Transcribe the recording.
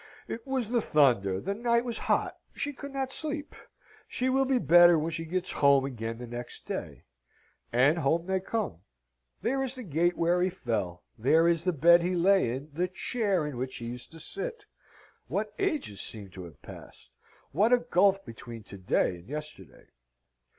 It was the thunder: the night was hot: she could not sleep: she will be better when she gets home again the next day. And home they come. There is the gate where he fell. There is the bed he lay in, the chair in which he used to sit what ages seem to have passed! What a gulf between to day and yesterday!